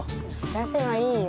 私はいいよ。